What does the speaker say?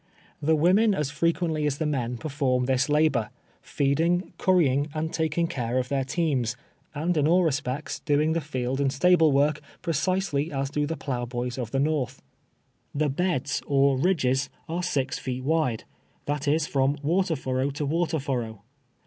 The women as frequently as the men perlbrm this labor, feeding, currying, and ta king care of their teams, and in all respects doing tho 101 T^VEL^'E YEARS A SLAVE. field anil staMo work, precisclj as do the plonglibojs of the Jsorth. The beds, or rid<i:es, are six feet Avide, that is, from water furrow to Nvater furrow.